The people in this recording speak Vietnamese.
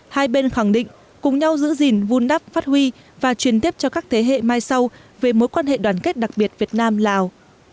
hai bên khẳng định cùng nhau giữ gìn vun đắp phát huy và truyền tiếp cho các thế hệ mai sau về mối quan hệ đoàn kết đặc biệt việt nam lào